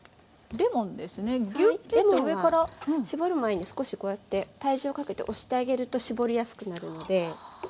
レモンは搾る前に少しこうやって体重をかけて押してあげると搾りやすくなるので。